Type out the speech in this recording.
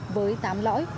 với tám lõi